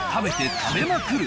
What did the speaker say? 食べまくる！